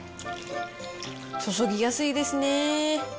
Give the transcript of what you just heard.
注ぎやすいですね。